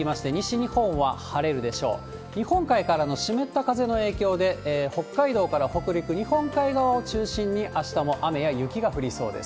日本海からの湿った風の影響で、北海道から北陸、日本海側を中心にあしたも雨や雪が降りそうです。